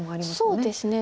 そうですね。